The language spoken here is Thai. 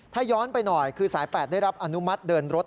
ถ้าย้อนไปหน่อยคือสาย๘ได้รับอนุมัติเดินรถ